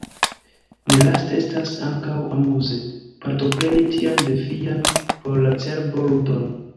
Nelaste estas ankaŭ amuze, partopreni tian defian por la cerbo ludon.